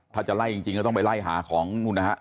ถ้าจะไล่จริงก็ต้องไปไล่หาของนู่นนะฮะ